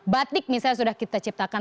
batik misalnya sudah kita ciptakan